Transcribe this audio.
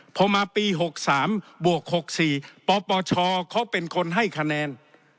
พอมาปี๖๓บวก๖๔ปปชเขาเป็นคนให้คะแนน